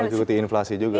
mencukupi inflasi juga